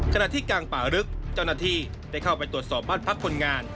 ขณะที่กลางป่าลึกเจ้าหน้าที่ได้เข้าไปตรวจสอบบ้านพักคนงาน